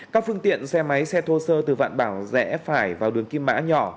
các phương tiện xe máy xe thô sơ từ vạn bảo rẽ phải vào đường kim mã nhỏ